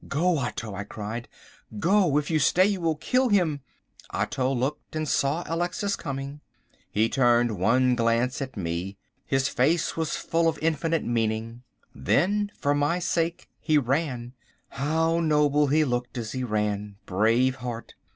"Go, Otto," I cried, "go, if you stay you will kill him." Otto looked and saw Alexis coming. He turned one glance at me: his face was full of infinite meaning. Then, for my sake, he ran. How noble he looked as he ran. Brave heart!